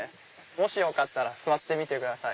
もしよかったら座ってください